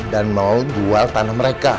dan mau jual tanah mereka